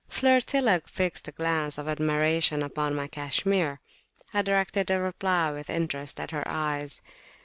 Flirtilla fixed a glance of admiration upon my cashmere. I directed a reply with interest at her eyes.